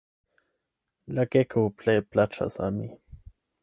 La geko plej plaĉas al mi.